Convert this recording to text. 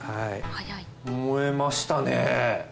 燃えましたね。